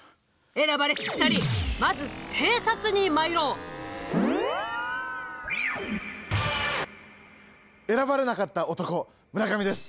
選ばれし２人まず偵察に参ろう。選ばれなかった男村上です。